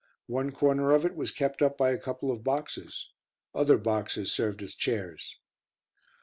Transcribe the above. One corner of it was kept up by a couple of boxes; other boxes served as chairs.